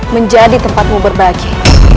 menjadi tempatmu berbagi